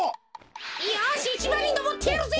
よし１ばんにのぼってやるぜ！